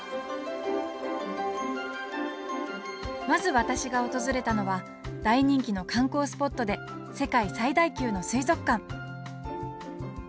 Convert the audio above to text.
まず私が訪れたのは大人気の観光スポットで世界最大級の水族館